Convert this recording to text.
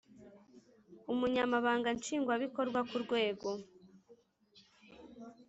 Umunyamabanga Nshingwabikorwa ku rwego